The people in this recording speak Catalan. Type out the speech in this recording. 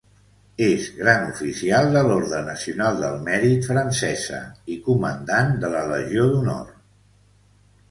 És gran oficial de l'Orde Nacional del Mèrit francesa i comandant de la Legió d'Honor.